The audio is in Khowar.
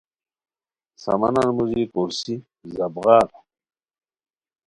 سامانن موژی کروسی زپ غار